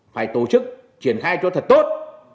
phải tổ chức triển khai cho thật tốt